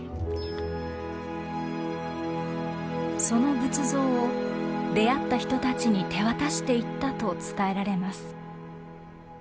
その仏像を出会った人たちに手渡していったと伝えられます。